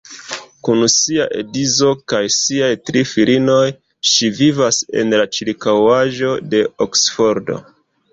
Kun sia edzo kaj siaj tri filinoj ŝi vivas en la ĉirkaŭaĵo de Oksfordo.